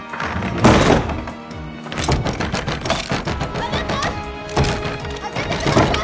・あなた開けてください！